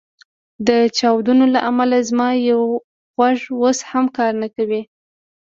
د چاودنو له امله زما یو غوږ اوس هم کار نه کوي